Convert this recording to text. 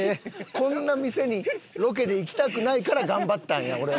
こんな店にロケで行きたくないから頑張ったんや俺は。